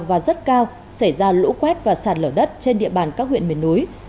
và rất cao xảy ra lũ quét và sạt lở đất trên địa bàn các huyện miền núi